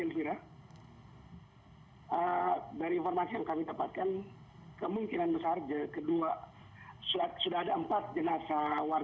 selamat pagi al sira